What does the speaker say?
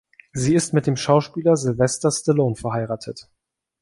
Sie ist mit dem Schauspieler Sylvester Stallone verheiratet.